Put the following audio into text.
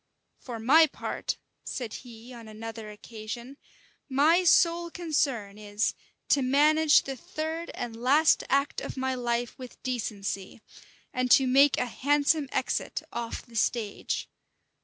"For my part," said he, on another occasion "my sole concern is, to manage the third and last act of my life with decency, and to make a handsome exit off the stage.